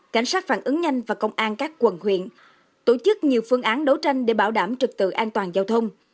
cảnh sát phản ứng nhanh và công an các quần huyện tổ chức nhiều phương án đấu tranh để bảo đảm trực tự an toàn giao thông